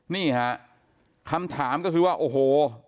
นี่ฮะคำถามก็คือว่าโอ้โห